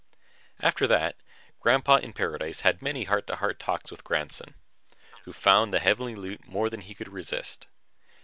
After that, Grandpa in paradise had many heart to heart talks with Grandson, who found the heavenly loot more than he could resist.